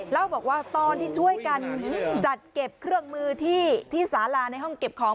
เล่าบอกว่าตอนที่ช่วยกันจัดเก็บเครื่องมือที่สาราในห้องเก็บของ